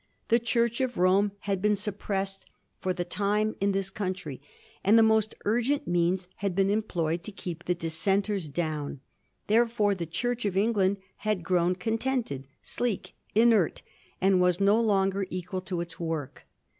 The Church of Rome had been suppressed for the time in this country, and the most ur gent means had been employed to keep the Dissenters down ; therefore the Church of England had grown con tented, sleek, inert, and was no longer equal to its work.